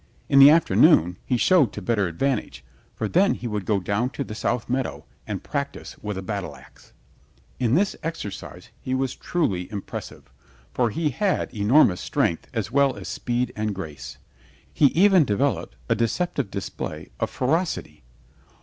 In the afternoon he showed to better advantage, for then he would go down to the South Meadow and practise with a battle ax. In this exercise he was truly impressive, for he had enormous strength as well as speed and grace. He even developed a deceptive display of ferocity.